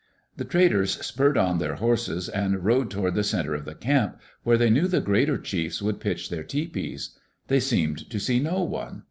The traders spurred On their horses and rode toward the center of the camp, where they knew the greater chiefs would pitch their tepeea. They seemed to see no one.